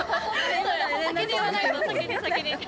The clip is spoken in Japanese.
先に言わないと、先に、先に。